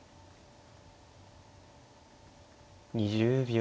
２０秒。